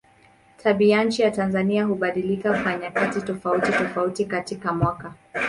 Tabianchi ya Tanzania hubadilika kwa nyakati tofautitofauti katika mwaka.